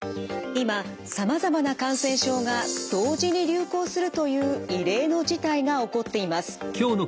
今さまざまな感染症が同時に流行するという異例の事態が起こっています。